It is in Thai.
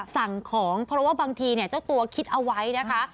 สั่งของเพราะว่าบางทีเจ้าตัวคิดเอาไว้นะคะ